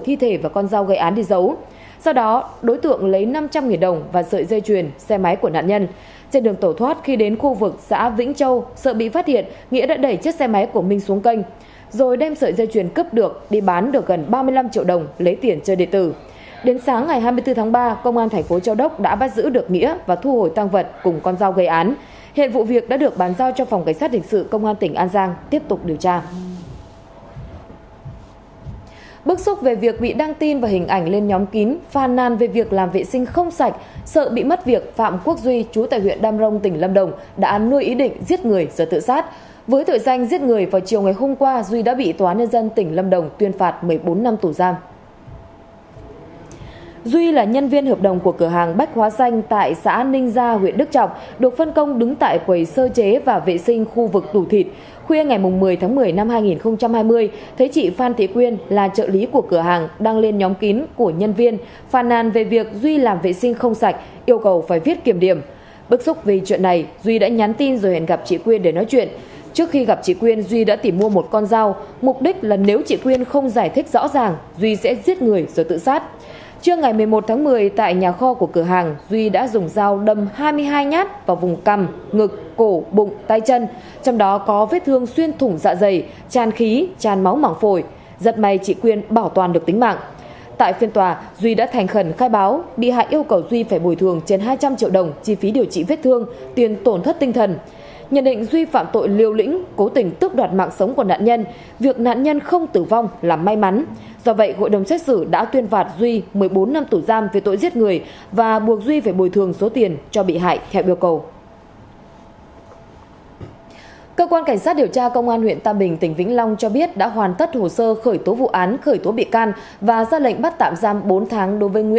cho đến trưa nay ngày hai mươi năm tháng ba công an quận tám tp hcm vẫn đang phong tỏa hiện trường điều tra làm rõ vụ cháy tại căn nhà cấp bốn trên đường phạm thế hiển phường bốn quận tám khiến cho hai vợ chồng và một đứa con gái ba tuổi tử vong